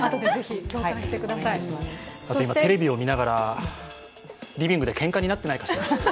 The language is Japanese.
今、テレビを見ながらリビングでけんかになってないかしら。